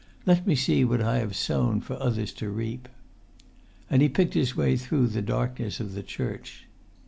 Let me see what I have sown for others to reap." And he picked his way through the darkness to the church.